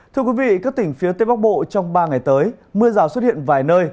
thưa quý vị các tỉnh phía tây bắc bộ trong ba ngày tới mưa rào xuất hiện vài nơi